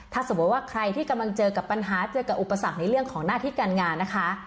ถ้าสมมติว่าใครที่กำลังเจอกับปัญหาเจอกับอุปสรรคในเรื่องของหน้าที่การงานนะคะ